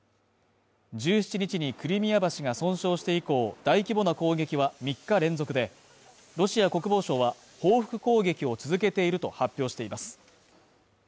１７日にクリミア橋が損傷して以降、大規模な攻撃は３日連続で、ロシア国防省は報復攻撃を続けていると発表しています。